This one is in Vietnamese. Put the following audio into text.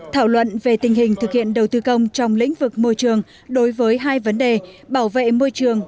thảo luận về tình hình thực hiện đầu tư công trong lĩnh vực môi trường đối với hai vấn đề bảo vệ môi trường